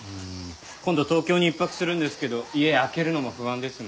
今度東京に１泊するんですけど家空けるのも不安ですね。